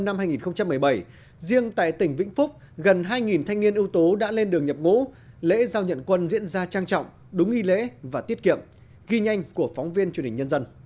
năm nay tỉnh vĩnh phúc có một chín trăm năm mươi tân binh lên đường nhập ngũ và ra cho một mươi ba đơn vị nhận quân